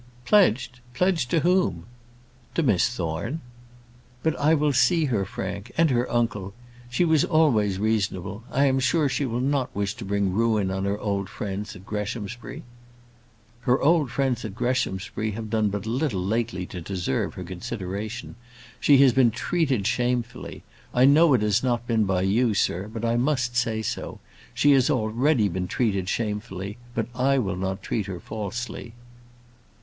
"Pledged! Pledged to whom?" "To Miss Thorne." "But I will see her, Frank; and her uncle. She was always reasonable. I am sure she will not wish to bring ruin on her old friends at Greshamsbury." "Her old friends at Greshamsbury have done but little lately to deserve her consideration. She has been treated shamefully. I know it has not been by you, sir; but I must say so. She has already been treated shamefully; but I will not treat her falsely."